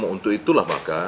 untuk itulah maka